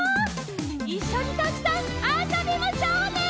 いっしょにたくさんあそびましょうね！